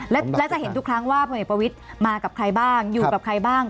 แล้วจะเห็นทุกครั้งว่าพลเอกประวิทย์มากับใครบ้างอยู่กับใครบ้าง